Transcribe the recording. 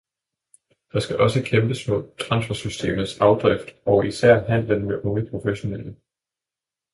Der skal også kæmpes mod transfersystemets afdrift og især handlen med unge professionelle.